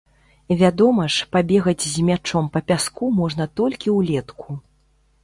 Вядома ж, пабегаць з мячом па пяску можна толькі ўлетку.